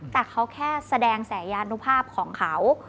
แต่เขาแค่แสดงแสยานุภาพของเขา